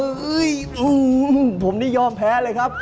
อูววววผมนี้ยอมแพ้เลยครับ